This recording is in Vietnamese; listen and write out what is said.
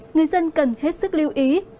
người dân cần hết sức lưu ý